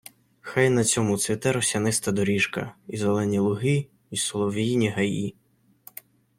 Хай на ньому цвіте росяниста доріжка, і зелені луги, й солов'їні гаї